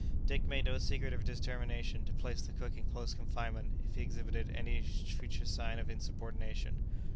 Dick made no secret of his determination to place the cook in close confinement if he exhibited any future sign of insubordination.